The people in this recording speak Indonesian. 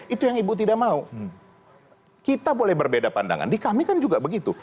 itu yang ibu tidak mau kita boleh berbeda pandangan di kami kan juga begitu